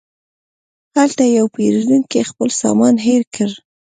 هلته یو پیرودونکی خپل سامان هېر کړ.